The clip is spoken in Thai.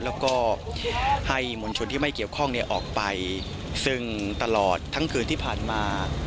แล้วก็ให้มวลชนที่ไม่เกี่ยวข้องเนี่ยออกไปซึ่งตลอดทั้งคืนที่ผ่านมา